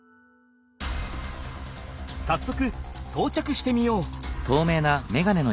さっそくそうちゃくしてみよう！